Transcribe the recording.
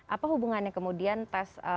apa hubungannya kemudian tes